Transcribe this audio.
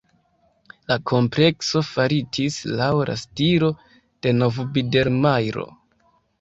La komplekso faritis laŭ la stilo de nov-bidermajro.